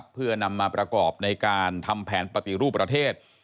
เพื่อนำมาประกอบในการทำแผนปฏิรูปประเทศ